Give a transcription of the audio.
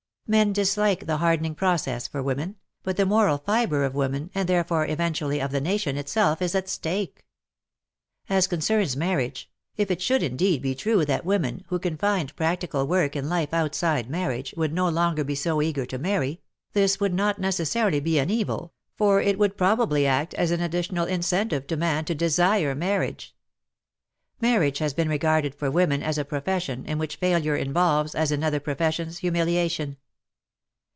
Men dislike the hardening process for women, but the moral fibre of women, and therefore eventu ally of the nation itself is at stake. As concerns ^na^^riage^ if it should indeed be true that women, who can find practical work in life outside marriage, would no longer be so eager to marry, this would not necessarily be an evil, for it would probably act as an ad ditional incentive to man to desire marriage. Marriage has been regarded for women as a profession, in which failure involves, as in other professions, humiliation.